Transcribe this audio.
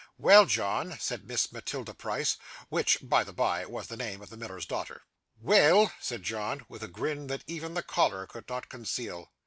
'Well, John,' said Miss Matilda Price (which, by the bye, was the name of the miller's daughter). 'Weel,' said John with a grin that even the collar could not conceal.